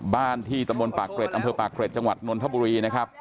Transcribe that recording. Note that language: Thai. บ้านที่ตำบลปากเกร็ดอำเภอปากเกร็จจังหวัดนนทบุรีนะครับ